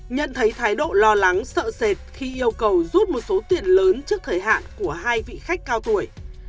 nhận thấy thái độ lo lắng sợ sệt khi yêu cầu rút một số tiền lớn trước thời hạn của hai vị khách cao tuổi